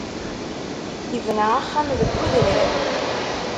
Yebna axxam deg udrar.